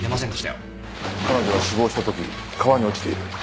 彼女は死亡した時川に落ちている。